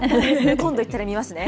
今度行ったら見ますね。